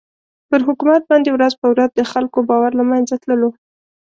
پر حکومت باندې ورځ په ورځ د خلکو باور له مېنځه تللو.